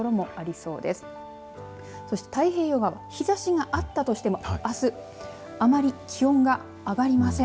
そして太平洋側日ざしがあったとしてもあすあまり気温が上がりません。